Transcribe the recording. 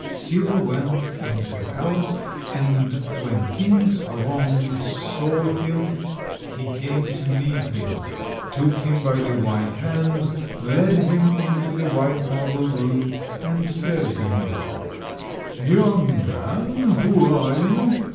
Sila went into the palace, and when King Salom saw him he came to meet him, took him by the white hands, led him into the white marble room, and said to him— "Young man, who are you?